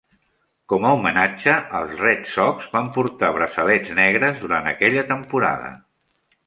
Com a homenatge, els Red Sox van portar braçalets negres durant aquella temporada.